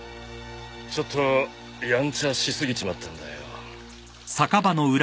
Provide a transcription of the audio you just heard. ちょっとやんちゃし過ぎちまったんだよ。